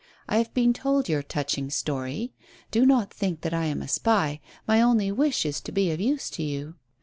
I have been told your touching story. Do not think that I am a spy; my only wish is to be of use to you.